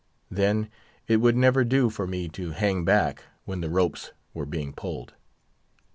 Then, it would never do for me to hang back when the ropes were being pulled.